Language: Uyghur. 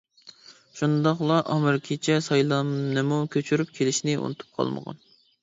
شۇنداقلا ئامېرىكىچە سايلامنىمۇ كۆچۈرۈپ كېلىشنى ئۇنتۇپ قالمىغان.